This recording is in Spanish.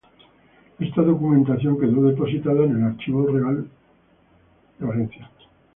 Esta documentación quedó depositada en el Archivo del Real de Valencia.